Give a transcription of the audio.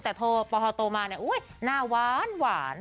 แต่โทรปฮโตมาเนี่ยหน้าว้านหวาน